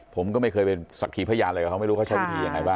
ผมก็ไม่เคยเป็นสักขีพยานอะไรกับเขาไม่รู้เขาใช้วิธียังไงบ้าง